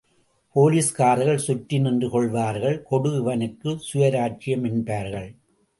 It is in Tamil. போலீஸ்காரர்கள் கற்றி நின்று கொள்வார்கள், கொடு இவனுக்கு சுயராச்சியம் என்பார்கள்.